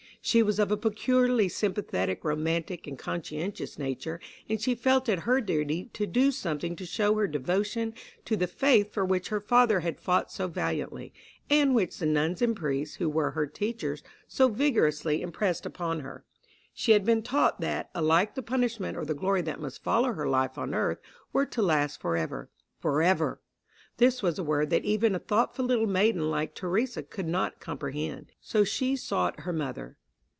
She was of a peculiarly sympathetic, romantic, and conscientious nature, and she felt it her duty to do something to show her devotion to the faith for which her father had fought so valiantly, and which the nuns and priests, who were her teachers, so vigorously impressed upon her. She had been taught that alike the punishment or the glory that must follow her life on earth were to last forever. Forever! this was a word that even a thoughtful little maiden like Theresa could not comprehend. So she sought her mother.